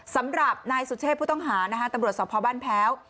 สำหรับนายสุเชษผู้ต้องหานะคะตำรวจสภบ้านแพ้ว